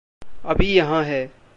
अभी यहाँ है।